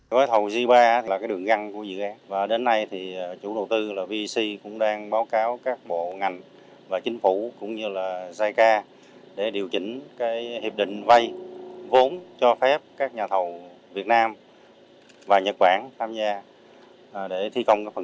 gói thầu g ba là đường găng của dự án và đến nay chủ đầu tư là vec cũng đang báo cáo các bộ ngành và chính phủ cũng như là giai ca để điều chỉnh